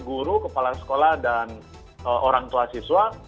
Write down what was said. guru kepala sekolah dan orang tua siswa